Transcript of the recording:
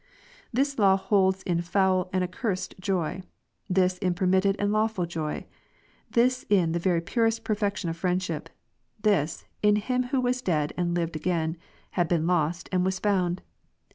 8. This law holds in foul and accursed joy; this in per mitted and lawful joy ; this in the very purest perfection of friendship ; this, in him who ivas dead, and lived again ; had been lost, and iv as found.